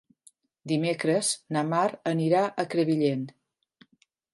Dimecres na Mar anirà a Crevillent.